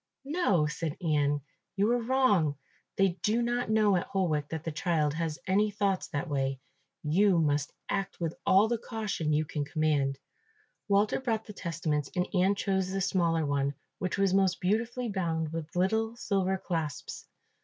"No," said Ian, "you are wrong, they do not know at Holwick that the child has any thoughts that way; you must act with all the caution you can command." Walter brought the testaments and Ian chose the smaller one, which was most beautifully bound with little silver clasps.